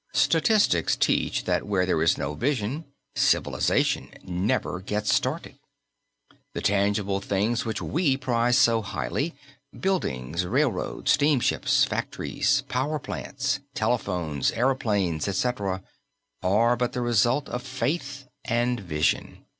Statistics teach that where there is no vision, civilization never gets started! The tangible things which we prize so highly, buildings, railroads, steamships, factories, power plants, telephones, aeroplanes, etc., are but the result of faith and vision.